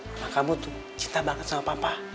mama kamu tuh cinta banget sama papa